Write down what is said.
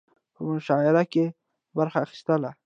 په مشاعره کې برخه اخستل